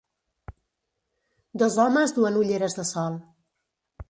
Dos homes duen ulleres de sol.